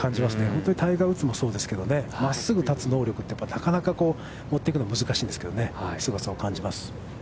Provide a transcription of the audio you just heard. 本当にタイガーウッズもそうですけど、真っすぐ立つ能力ってなかなか持っていくのが難しいんですけど、すごさを感じます。